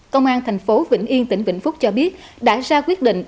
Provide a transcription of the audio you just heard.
công an thành phố vĩnh yên tỉnh vĩnh phúc cho biết đã ra quyết định